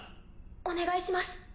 お願いします。